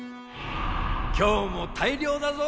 今日も大漁だぞ。